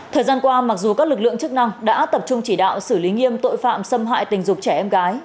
thời gian qua mặc dù các lực lượng chức năng đã tập trung chỉ đạo xử lý nghiêm tội phạm xâm hại tình dục trẻ em gái